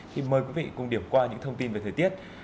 thì mời quý vị cùng điểm qua những thông tin về thời tiết